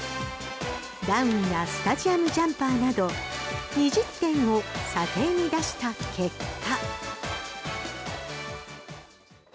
ダウンやスタジアムジャンパーなど２０点を査定に出した結果。